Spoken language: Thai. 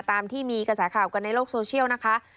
ตามที่มีกระแสข่าวกันในโลกโซเชียลนะคะ